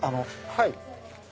はい。